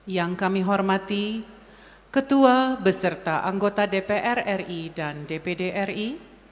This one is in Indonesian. yang kami hormati ketua beserta anggota dpr ri dan dpd ri